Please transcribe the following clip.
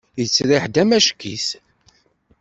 Yettriḥ-d amack-it.